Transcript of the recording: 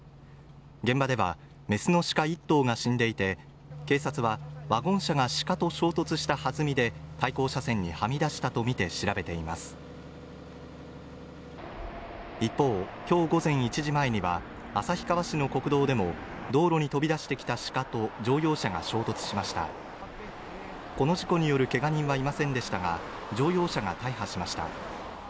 現場ではメスの鹿１頭が死んでいて警察はワゴン車が鹿と衝突した弾みで対向車線にはみ出したとみて調べています一方きょう午前１時前には旭川市の国道でも道路に飛び出してきた鹿と乗用車が衝突しましたこの事故によるけが人はいませんでしたが乗用車が大破しました